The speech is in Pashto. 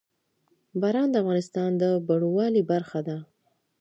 باران د افغانستان د بڼوالۍ برخه ده.